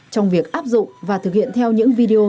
trong việc áp dụng và thực hiện theo những video